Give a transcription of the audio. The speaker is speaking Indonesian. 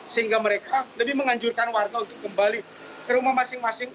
sehingga mereka lebih menganjurkan warga untuk kembali ke rumah masing masing